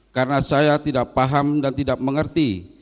karena saya tidak paham dan tidak mengerti